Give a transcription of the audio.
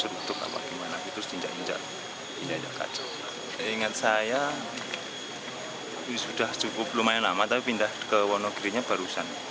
lumayan lama tapi pindah ke wonogirinya barusan